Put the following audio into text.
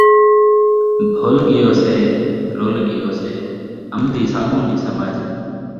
ٻھل ڳئیوسے رل ڳئیوسے امدی ساکوں نی سمجھ